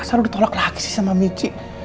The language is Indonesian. gak usah lo ditolak lagi sama michi